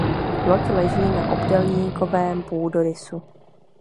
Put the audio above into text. Loď leží na obdélníkovém půdorysu.